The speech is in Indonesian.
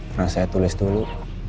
pernah saya tulis dulu